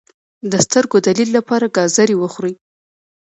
د سترګو د لید لپاره ګازرې وخورئ